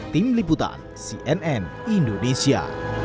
tim liputan cnn indonesia